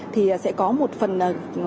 thì sẽ có một phần truyền thống